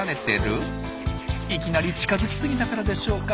いきなり近づきすぎたからでしょうか。